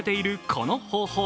この方法。